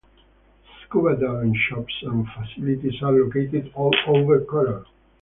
Scuba diving shops and facilities are located all over Koror.